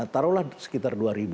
taruhlah sekitar dua ribu